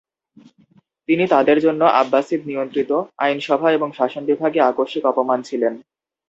তিনি তাদের জন্য আব্বাসিদ নিয়ন্ত্রিত আইনসভা এবং শাসনবিভাগে আকস্মিক অপমান ছিলেন।